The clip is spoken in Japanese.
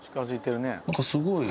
何かすごい。